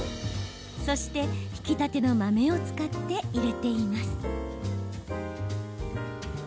そして、ひきたての豆を使っていれています。